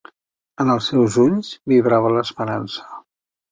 En els seus ulls vibrava l'esperança.